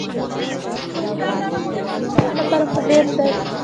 د چابهار بندر د افغانستان لپاره مهم دی.